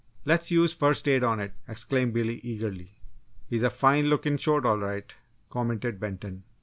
"Let's use 'first aid' on it!" exclaimed Billy, eagerly. "He's a fine looking shoat, all right," commented Benton.